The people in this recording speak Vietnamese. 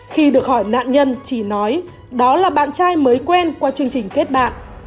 khi được hỏi nạn nhân chỉ nói đó là bạn trai mới quen qua chương trình kết bạn